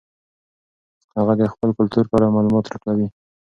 هغه د خپل کلتور په اړه معلومات راټولوي.